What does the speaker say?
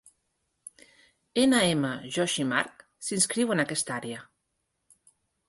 N. M. Joshi Marg s'inscriu en aquesta àrea.